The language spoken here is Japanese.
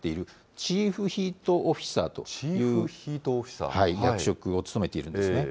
チーフヒートオフィサー？という役職を務めてらっしゃるんですね。